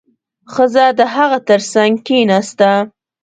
ښځه د هغه تر څنګ کېناسته.